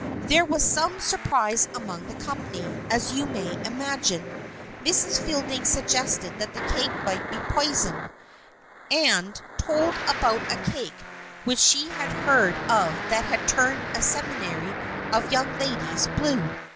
There was some surprise among the company, as you may imagine. Mrs. Fielding suggested that the cake might be poisoned, and told about a cake which she had heard of that had turned a seminary of young ladies blue.